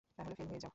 তাহলে ফেল হয়ে যাও।